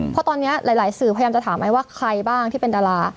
เพราะตอนนี้หลายสื่อพยายามจะถามไอ้ว่าใครบ้างที่เป็นดารา